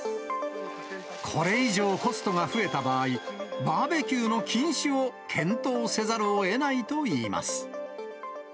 これ以上、コストが増えた場合、バーベキューの禁止を検討せざるをえないといいます。